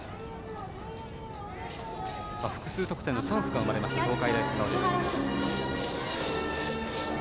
複数得点のチャンスが生まれた東海大菅生です。